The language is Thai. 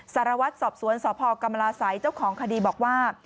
สารวัตรสอบสวนสพกรรมราศัยเจ้าของคดีบอกว่า